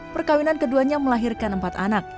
perkawinan keduanya melahirkan empat anak